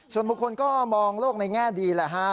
ส่วนบางคนก็มองโลกในแง่ดีนะฮะ